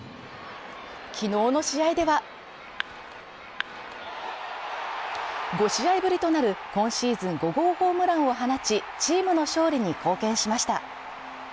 昨日の試合では５試合ぶりとなる今シーズン５号ホームランを放ち、チームの勝利に貢献しました。